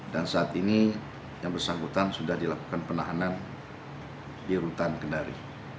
dan saat ini yang bersangkutan sudah dilakukan penahanan di rutan kendari